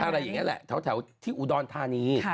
อะไรอย่างนี้แหละแถวที่อุดรธานี